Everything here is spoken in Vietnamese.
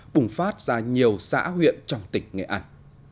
bùng phát ra nhiều xã huyện trong tỉnh nghệ an